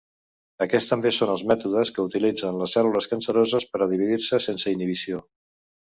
Aquests també són els mètodes que utilitzen les cèl·lules canceroses per a dividir-se sense inhibició.